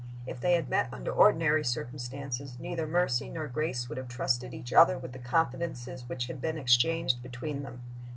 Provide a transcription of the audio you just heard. If they had met under ordinary circumstances, neither Mercy nor Grace would have trusted each other with the confidences which had been exchanged between them.